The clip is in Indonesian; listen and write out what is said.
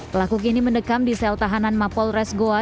pelaku kini mendekam di sel tahanan mapolres goa